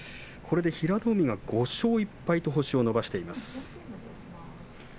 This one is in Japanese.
平戸海が５勝１敗と星を伸ばしています。